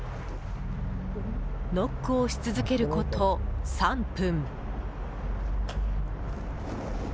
ノックをし続けること３分。